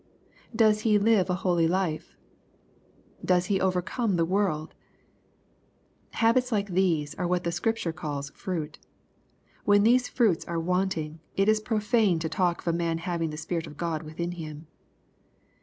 Does he live a holy life ? Does he overcome the world ? Habits like these are what Scripture calls "&uit.'' When these " fruits'' are wanting, it is profane to talk of a man having the Spirit of God within him.